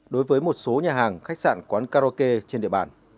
đối với một số nhà hàng khách sạn quán karaoke trên địa bàn